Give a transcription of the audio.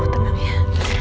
takut pada dasarnya